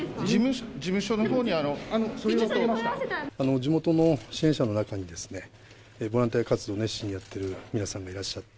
地元の支援者の中にですね、ボランティア活動を熱心にやっている皆さんがいらっしゃって。